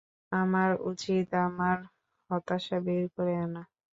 আমার উচিত, আমার হতাশা বের করে আনা।